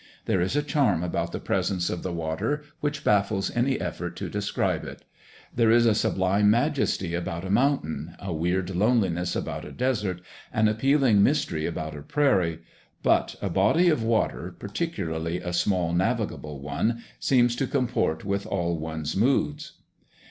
There is a charm about the presence of the water which baffles any effort to describe it. There is a sublime majesty about a mountain, a weird loneliness about a desert, an appealing mystery about a prairie, but a body of water, particularly a small navigable one, seems to comport with all one's moods.